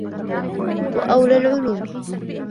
وَأَوْلَى الْعُلُومِ